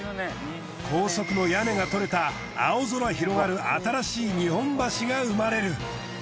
高速の屋根が取れた青空広がる新しい日本橋が生まれる。